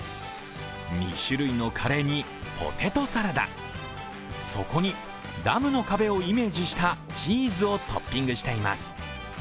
２種類のカレーにポテトサラダ、そこにダムの壁をイメージしたチーズをトッピングしています。